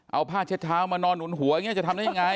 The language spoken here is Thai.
เอาผ้าเช็ดเท้ามันนอนหวนหัวจะทำได้ยังไง